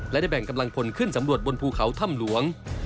และได้แบ่งกำลังพลขึ้นสำรวจบนภูเขาถ้ำหลวง